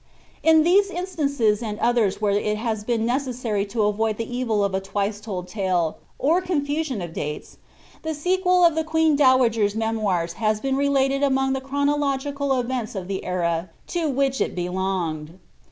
In these Instances, and others where it has been necessary to avoid Ihe evil of a twice told late, or confusion of dates, the sequel of the queen dowager's memoirs has been related among the chronological events of the era to which it belonged.